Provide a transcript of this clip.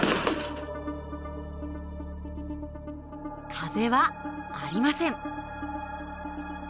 風はありません。